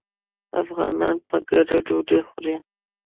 افغانان په ګډه ډوډۍ خوري.